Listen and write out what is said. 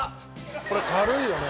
これ軽いよね。